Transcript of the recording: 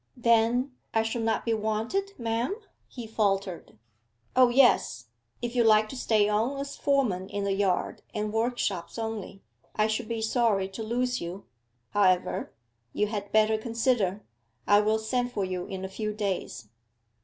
'Then I shall not be wanted, ma'am?' he faltered. 'O yes; if you like to stay on as foreman in the yard and workshops only. I should be sorry to lose you. However, you had better consider. I will send for you in a few days.